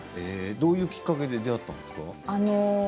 どういうきっかけで出会ったんですか。